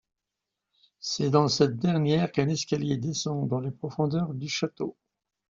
C'est dans cette dernière qu'un escalier descend dans les profondeurs du château.